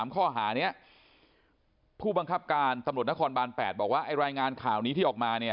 ข้อหานี้ผู้บังคับการตำรวจนครบาน๘บอกว่ารายงานข่าวนี้ที่ออกมาเนี่ย